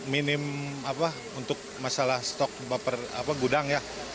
minim apa untuk masalah stok baper apa gudang ya